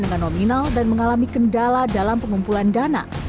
dengan nominal dan mengalami kendala dalam pengumpulan dana